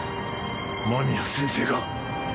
間宮先生が。